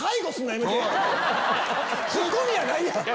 ツッコミやないやん！